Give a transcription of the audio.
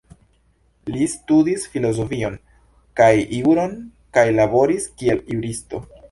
Li studis filozofion kaj juron kaj laboris kiel juristo.